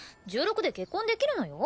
１６で結婚できるのよ。